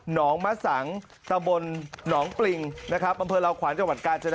หนองมะสังตำบลหนองปริงนะครับอำเภอเหล้าขวัญจังหวัดกาญจนบุรี